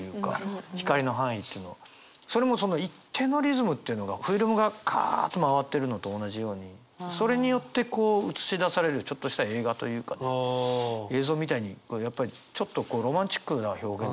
それもその一定のリズムっていうのがフィルムがカアッと回ってるのと同じようにそれによってこう映し出されるちょっとした映画というかね映像みたいにやっぱりちょっとロマンチックな表現だよね。